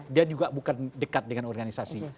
dia juga bukan dekat dengan organisasi